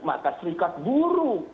maka serikat buru